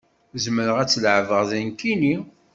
Zemreɣ ad tt-leεbeɣ d nekkini